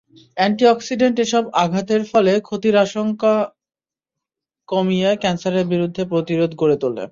Antioxidant এসব আঘাতের ফলে ক্ষতির আশঙ্কা কমিয়ে ক্যানসারের বিরুদ্ধে প্রতিরোধ গড়ে তোলে।